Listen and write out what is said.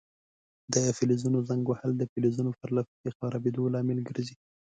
د فلزونو زنګ وهل د فلزونو پر له پسې خرابیدو لامل ګرځي.